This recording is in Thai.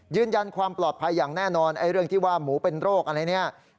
ยืนยันความปลอดภัยอย่างแน่นอนเรื่องที่ว่าหมูเป็นโรคอะไรเนี่ย